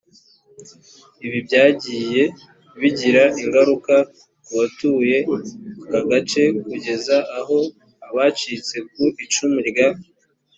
ibi byagiye bigira ingaruka ku batuye aka gace kugeza aho abacitse ku icumu rya